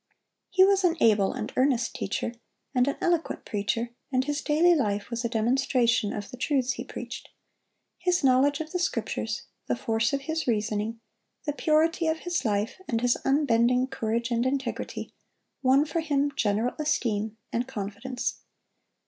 He was an able and earnest teacher, and an eloquent preacher, and his daily life was a demonstration of the truths he preached. His knowledge of the Scriptures, the force of his reasoning, the purity of his life, and his unbending courage and integrity, won for him general esteem and confidence.